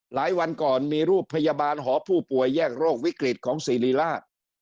วันก่อนมีรูปพยาบาลหอผู้ป่วยแยกโรควิกฤตของศิริราช